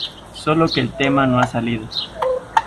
solo que el tema no ha salido.